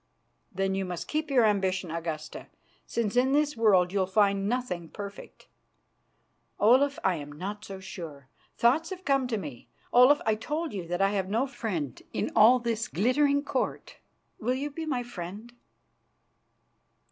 "Then you must keep your ambition, Augusta, since in this world you'll find nothing perfect." "Olaf, I'm not so sure. Thoughts have come to me. Olaf, I told you that I have no friend in all this glittering Court. Will you be my friend?"